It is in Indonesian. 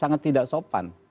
sangat tidak sopan